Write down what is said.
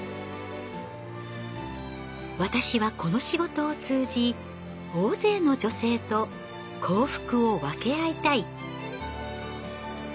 「私はこの仕事を通じ大勢の女性と幸福を分け合いたい」。